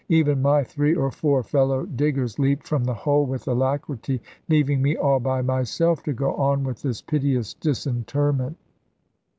Even my three or four fellow diggers leaped from the hole with alacrity, leaving me all by myself to go on with this piteous disinterment.